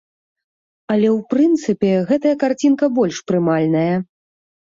Але ў прынцыпе, гэтая карцінка больш прымальная.